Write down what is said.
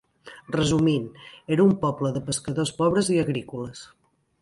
Resumint, era un poble de pescadors pobres i agrícoles.